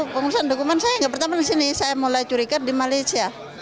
pengurusan dokumen saya nggak pertama di sini saya mulai curiga di malaysia